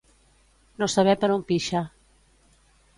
No saber per on pixa.